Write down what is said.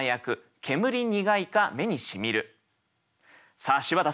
さあ柴田さん